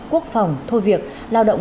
quốc phòng thô việc lao động